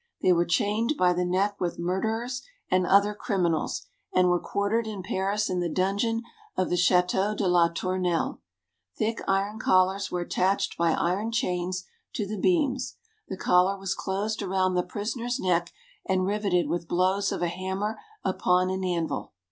They were chained by the neck with murderers and other criminals, and were quartered in Paris in the dungeon of the Chateau de la Tournelle. Thick iron collars were attached by iron chains to the beams. The collar was closed around the prisoner's neck, and riveted with blows of a hammer upon an anvil.